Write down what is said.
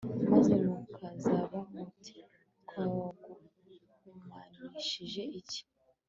Maze mukabaza muti Twaguhumanishije iki